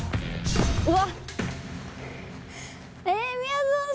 うわっ。